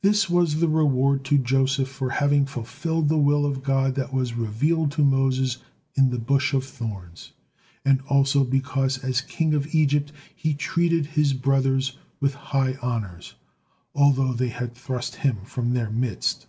This was the reward to Joseph for having fulfilled the will of God that was revealed to Moses in the bush of thorns; and also because as king of Egypt he treated his brothers with high honors although they had thrust him from their midst.